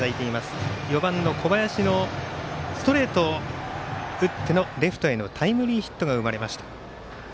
４番の小林のストレートを打ってのレフトへのタイムリーヒットが生まれました。